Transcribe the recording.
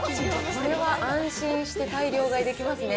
これは安心して大量買いできますね。